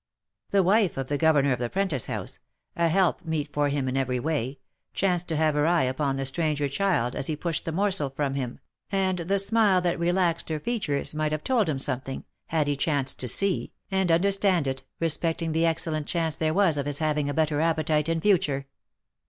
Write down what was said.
The wife of the governor of the Prentice house, a help meet for him in. every way, chanced to have her eye upon the stranger child as he pushed the morsel from him, and the smile that relaxed her features might have told him something, had he chanced to see, and understand it, respecting the excellent chance there was of his having a better appetite in future.